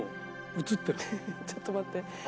ちょっと待っていや。